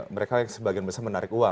mereka yang sebagian besar menarik uang